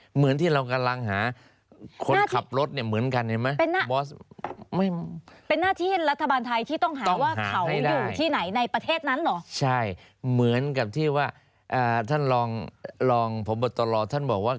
เหมือนที่เรากำลังหาคนขับรถเนี่ยเหมือนกันเห็นไหม